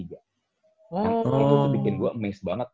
itu tuh bikin gue amaze banget